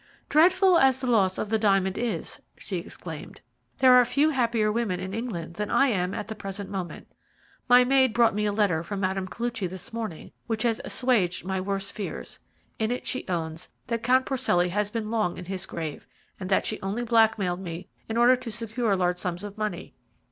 "Dreadful as the loss of the diamond is," she exclaimed, "there are few happier women in England than I am at the present moment. My maid brought me a letter from Mme. Koluchy this morning which has assuaged my worst fears. In it she owns that Count Porcelli has been long in his grave, and that she only blackmailed me in order to secure large sums of money."